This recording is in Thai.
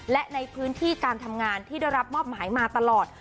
และในพื้นที่การทำงานที่ได้รับมอบหมายมาตลอด